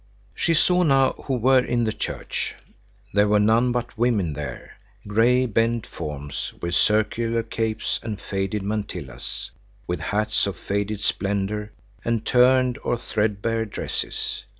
She saw now who were in the church. There were none but women there: grey, bent forms, with circular capes and faded mantillas, with hats of faded splendor and turned or threadbare dresses.